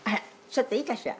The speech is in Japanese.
ちょっといいかしら？